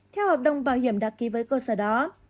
theo hợp đồng bảo hiểm đã ký với cơ sở đó